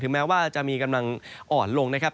แม้ว่าจะมีกำลังอ่อนลงนะครับ